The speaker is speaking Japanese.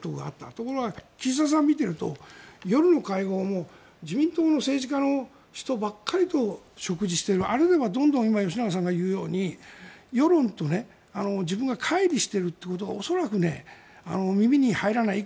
ところが岸田さんを見ていると夜の会合も自民党の政治家の人ばかりと食事しているあれではどんどん今、吉永さんが言うように世論と自分がかい離していることが恐らく耳に入らない。